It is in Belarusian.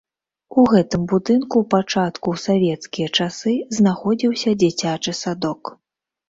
У гэтым будынку ў пачатку ў савецкія часы знаходзіўся дзіцячы садок.